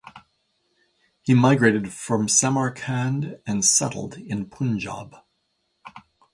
He migrated from Samarkand and settled in Punjab.